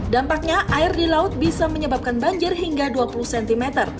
dampaknya air di laut bisa menyebabkan banjir hingga dua puluh cm